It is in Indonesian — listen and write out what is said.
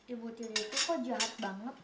ibu tiri itu kok jahat banget